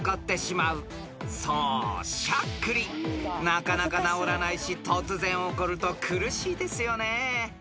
［なかなかなおらないし突然起こると苦しいですよね］